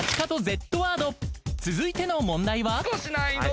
［続いての問題は？］